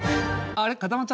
あれ？